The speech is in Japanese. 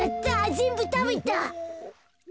ぜんぶたべた。